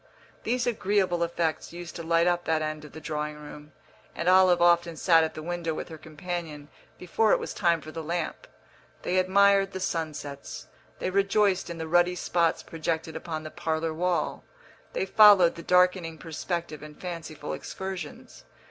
These agreeable effects used to light up that end of the drawing room, and Olive often sat at the window with her companion before it was time for the lamp. They admired the sunsets, they rejoiced in the ruddy spots projected upon the parlour wall, they followed the darkening perspective in fanciful excursions.